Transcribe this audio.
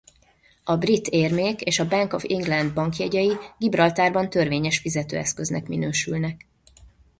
A brit érmék és a Bank of England bankjegyei Gibraltárban törvényes fizetőeszköznek minősülnek.